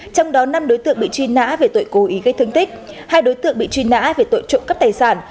trong đó năm đối tượng bị truy nã về tội cố ý gây thương tích hai đối tượng bị truy nã về tội trộm cắp tài sản